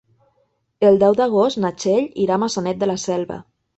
El deu d'agost na Txell irà a Maçanet de la Selva.